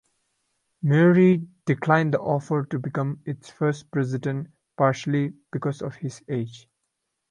Maury declined the offer to become its first president partly because of his age.